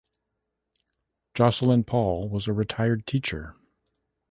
Jocelyn Paul was a retired teacher.